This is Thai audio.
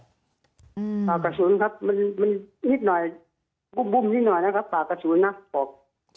ปากกระสุนครับ